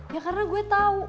ya karena gue tau